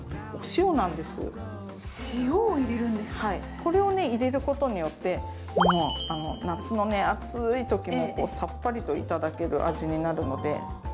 これをね入れることによって夏のね暑いときもサッパリと頂ける味になるので。